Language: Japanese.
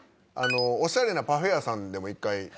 オシャレなパフェ屋さんでも１回。